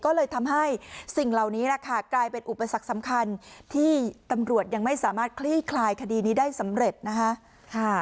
ก็เลยทำให้สิ่งเหล่านี้แหละค่ะกลายเป็นอุปสรรคสำคัญที่ตำรวจยังไม่สามารถคลี่คลายคดีนี้ได้สำเร็จนะคะ